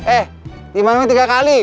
eh dimanunya tiga kali